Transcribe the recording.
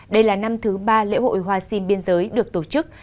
đây là năm thứ ba lễ hội hoa sinh biên giới được tổ chức